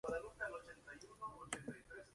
El aeródromo no tiene instalaciones.